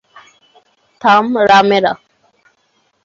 থাম, রাম্যারা।